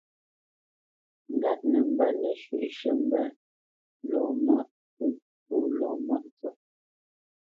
Ŋgât nə mbə́ nəshǔʼshʉ̂ mbə́ lɔ maʼ pə̂ pô lɔ mâʼ cwa.